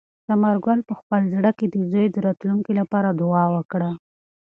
ثمر ګل په خپل زړه کې د زوی د راتلونکي لپاره دعا وکړه.